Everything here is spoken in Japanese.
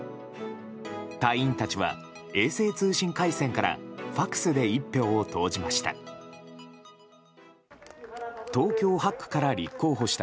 隊員たちは衛星通信回線からＦＡＸで１票を投じました。